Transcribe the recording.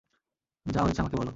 যা হয়েছে আমাকে বলো।